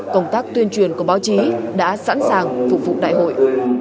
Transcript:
công tác tuyên truyền của báo chí đã sẵn sàng phục vụ đại hội